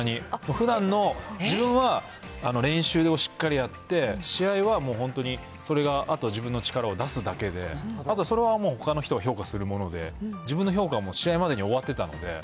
ふだんの、自分は練習をしっかりやって、試合はもう本当に、それがあと自分の力を出すだけで、あとそれは、ほかの人が評価するもので、自分の評価はもう試合までに終わってたので。